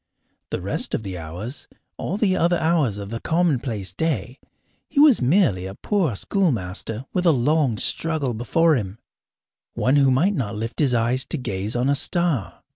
The rest of the hours all the other hours of the commonplace day he was merely a poor schoolmaster with a long struggle before him, one who might not lift his eyes to gaze on a star.